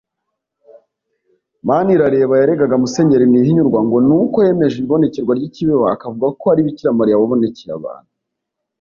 Manirareba yaregaga Musenyeri Ntihinyurwa ngo ni uko yemeje ibonekerwa ry’i Kibeho akavuga ko ari Bikiramariya wabonekeye abantu